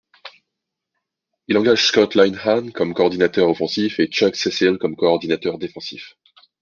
Il engage Scott Linehan comme coordinateur offensif et Chuck Cecil comme coordinateur défensif.